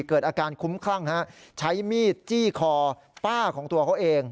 เกิดอาการคุ้มคลั่งใช้มีดจี้คอป้าของตัวเขาเอง